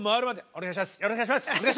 「お願いします」